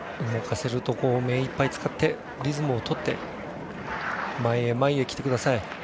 動かせるところを目いっぱい使ってリズムを取って前へ前へ来てください。